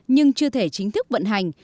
nhưng chưa thể chính thức vận hành